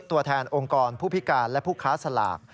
ตัวแทนองค์กรผู้พิการและผู้ค้าสลาก